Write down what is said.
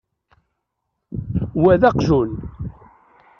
Wa d aqjun.